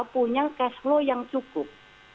punya cash flow yang cukup